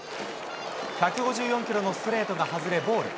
１５４キロのストレートが外れ、ボール。